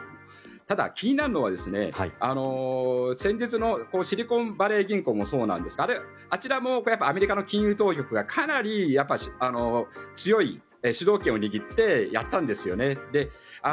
ただ、気になるのは先日のシリコンバレー銀行もそうなんですがあちらもこれはアメリカの金融当局がかなり強い主導権を握ってやったんですよね。